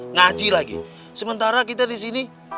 ngaji lagi sementara kita di sini